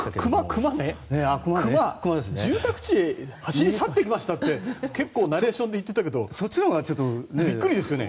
熊ね、住宅地に走り去っていきましたってナレーションで言ってたけどそっちのほうがびっくりですよね。